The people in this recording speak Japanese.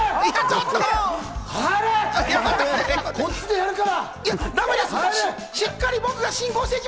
こっちでやるから！